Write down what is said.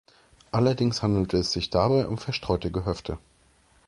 Allerdings handelte es sich dabei um verstreute Gehöfte.